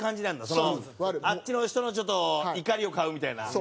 そのあっちの人のちょっと怒りを買うみたいな。